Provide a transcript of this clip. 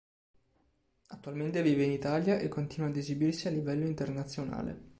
Attualmente vive in Italia e continua ad esibirsi a livello internazionale.